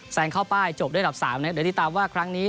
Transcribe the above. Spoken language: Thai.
งเข้าป้ายจบด้วยดับ๓นะครับเดี๋ยวติดตามว่าครั้งนี้